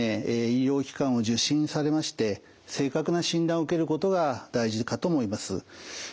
医療機関を受診されまして正確な診断を受けることが大事かと思います。